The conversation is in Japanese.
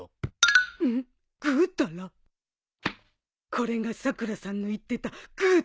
これがさくらさんの言ってた「ぐうたら」